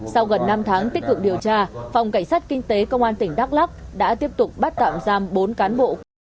sau gần năm tháng tích cực điều tra phòng cảnh sát kinh tế công an tỉnh đắk lắc đã tiếp tục bắt tạm giam bốn cán bộ